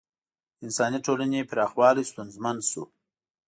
د انساني ټولنې پراخوالی ستونزمن شو.